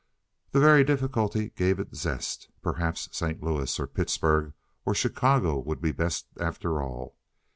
The very difficulty gave it zest. Perhaps St. Louis, or Pittsburg, or Chicago would be best after all.